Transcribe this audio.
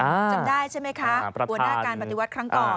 จำได้ใช่ไหมคะหัวหน้าการปฏิวัติครั้งก่อน